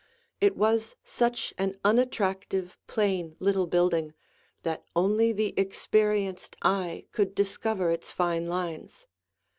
It was such an unattractive, plain, little building, that only the experienced eye could discover its fine lines.